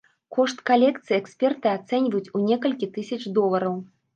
Кошт калекцыі эксперты ацэньваюць у некалькі тысяч долараў.